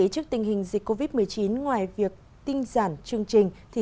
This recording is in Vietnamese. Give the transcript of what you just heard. trước tình hình dịch covid một mươi chín ngoài việc tinh giản chương trình